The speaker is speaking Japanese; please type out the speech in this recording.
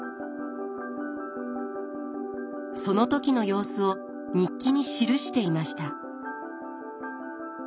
その時の様子を日記に記していました。